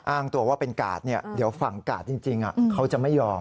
อ้างตัวว่าเป็นกาดเดี๋ยวฝั่งกาดจริงเขาจะไม่ยอม